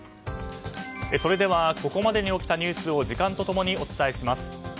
ここまでに起きたニュースを時間と共にお伝えします。